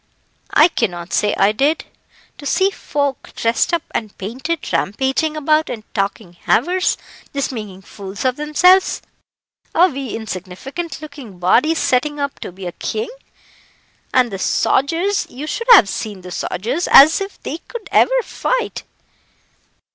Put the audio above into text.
"I cannot say I did. To see folk dressed up and painted, rampaging about and talking havers, just making fools of themselves. A wee insignificant looking body setting up to be a king! and the sogers you should have seen the sogers, as if they could ever fight."